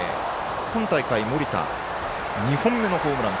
今大会、森田２本目のホームラン。